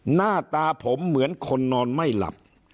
หน้าตาผมเหมือนคนนอนไม่หลับ